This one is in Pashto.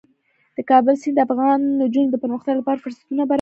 د کابل سیند د افغان نجونو د پرمختګ لپاره فرصتونه برابروي.